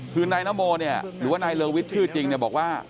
คือนายนโมเนี่ยหรือว่านายเลอวิทย์ชื่อจริงเนี่ยบอกว่า